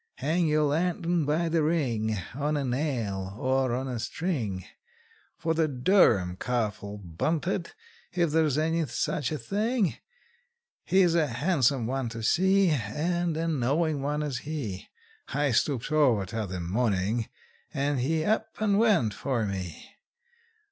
Hang your lantern by the ring, On a nail, or on a string; For the Durham calf 'll bunt it, if there's any such a thing: He's a handsome one to see, And a knowin' one is he: I stooped over t'other morning, and he up and went for me!